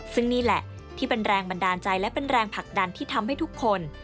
ซึ่งนี่แหละที่เป็นแรงบันดาลใจและเป็นแรงผลักดันที่ทำให้ทุกคน